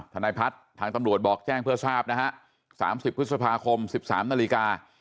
ทนายพัฒน์ทางตำรวจบอกแจ้งเพื่อทราบนะฮะ๓๐พฤษภาคม๑๓นาฬิกา